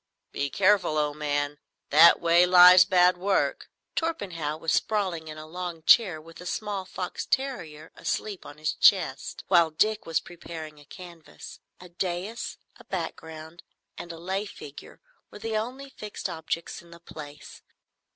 "Be careful, old man. That way lies bad work." Torpenhow was sprawling in a long chair with a small fox terrier asleep on his chest, while Dick was preparing a canvas. A dais, a background, and a lay figure were the only fixed objects in the place.